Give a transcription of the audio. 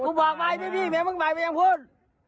กูบอกไว้พี่แม่มึงไว้มึงยังพูด